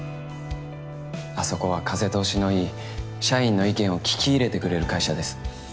あそこは風通しのいい社員の意見を聞き入れてくれる会社です。